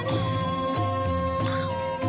โอ้โหโอ้โหโอ้โห